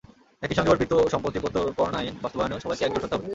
একই সঙ্গে অর্পিত সম্পত্তি প্রত্যর্পণ আইন বাস্তবায়নেও সবাইকে একজোট হতে হবে।